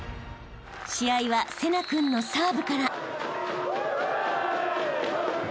［試合は聖成君のサーブから］